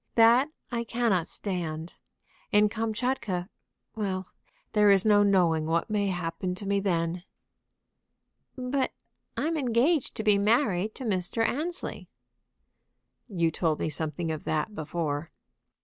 That I cannot stand. In Kamtchatka Well, there is no knowing what may happen to me then." "But I'm engaged to be married to Mr. Annesley." "You told me something of that before."